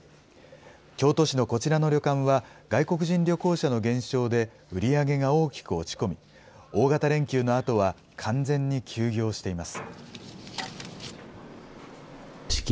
京都市のこちらの旅館は、外国人旅行者の減少で売り上げが大きく落ち込み、大型連休のあとは、完全に休業しています。